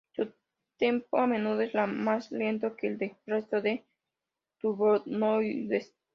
Su tempo a menudo es más lento que el del resto de turdoides.